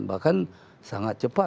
bahkan sangat cepat